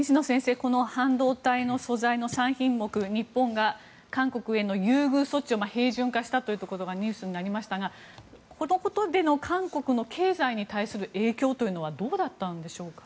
この半導体の素材の３品目日本が韓国への優遇措置を平準化したことがニュースになりましたがこのことでの韓国の経済に対する影響というのはどうだったんでしょうか？